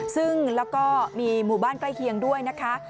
ซึ่งแล้วก็มีหมู่บ้านใกล้เคียงด้วยนะคะ